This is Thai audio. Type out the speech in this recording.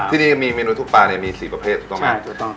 ที่นี่มีเมนูทุกปลาเนี่ยมี๔ประเภทถูกต้องไหม